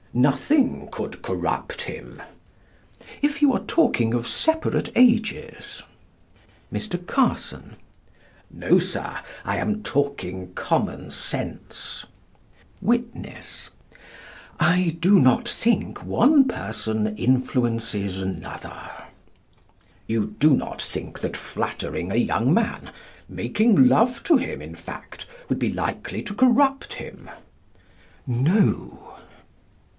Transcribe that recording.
Nothing could corrupt him? If you are talking of separate ages. Mr. Carson: No, Sir, I am talking common sense. Witness: I do not think one person influences another. You do not think that flattering a young man, making love to him, in fact, would be likely to corrupt him? No.